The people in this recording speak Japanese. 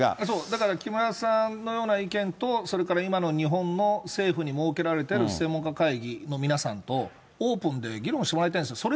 そう、だから木村さんのような意見と、それから今の日本の政府に設けられている専門家会議の皆さんと、オープンで議論してもらいたいんですよ。